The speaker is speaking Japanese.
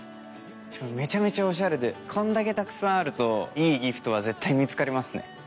めちゃめちゃオシャレでこんだけたくさんあるといいギフトは絶対見つかりますね。